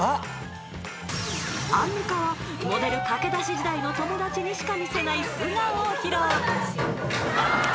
［アンミカはモデル駆け出し時代の友達にしか見せない素顔を披露］